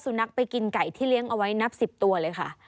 สุนัขไปกินไก่ที่เลี้ยงเอาไว้นับ๑๐ตัวเลยค่ะ